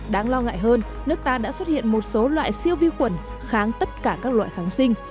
đáng lo ngại hơn nước ta đã xuất hiện một số loại siêu vi khuẩn kháng tất cả các loại kháng sinh